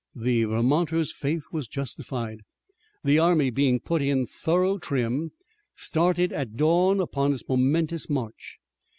The Vermonter's faith was justified. The army, being put in thorough trim, started at dawn upon its momentous march.